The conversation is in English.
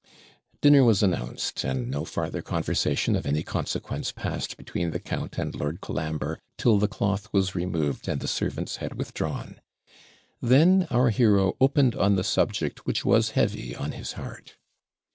Dinner was announced; and no farther conversation of any consequence passed between the count and Lord Colambre till the cloth was removed and the servants had withdrawn. Then our hero opened on the subject which was heavy at his heart.